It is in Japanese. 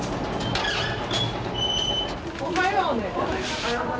おはようね。